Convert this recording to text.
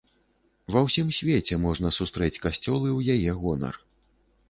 Ва ўсім свеце, можна сустрэць касцёлы ў яе гонар.